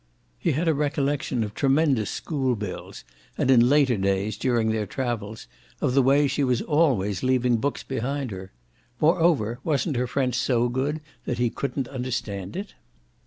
He had a recollection of tremendous school bills and, in later days, during their travels, of the way she was always leaving books behind her. Moreover wasn't her French so good that he couldn't understand it?